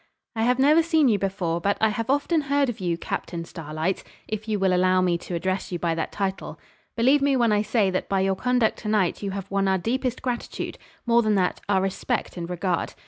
'I have never seen you before, but I have often heard of you, Captain Starlight, if you will allow me to address you by that title. Believe me when I say that by your conduct to night you have won our deepest gratitude more than that, our respect and regard.